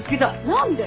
何で？